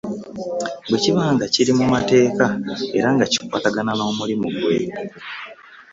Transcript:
Bwe kiba nga kiri mu mateeka era nga kikwaatagana n’omulimu gwe.